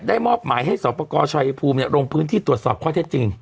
มอบหมายให้สอบประกอบชายภูมิลงพื้นที่ตรวจสอบข้อเท็จจริง